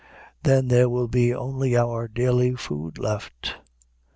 Then there will be only our daily food left.